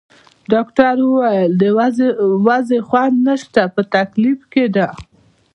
ډاکټر وویل: د وضعې خوند نشته، په تکلیف کې ده.